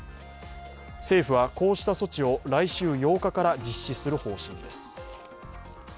政府はこうした措置を来週８日から実施する方針です。